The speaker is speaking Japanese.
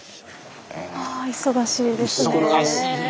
あ忙しいですねぇ。